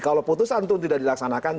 kalau putusan itu tidak dilaksanakan